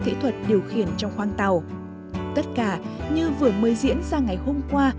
kỹ thuật điều khiển trong khoang tàu tất cả như vừa mới diễn ra ngày hôm qua